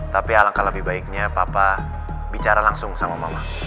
tapi alangkah lebih baiknya papa bicara langsung sama mama